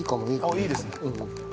あっいいですね。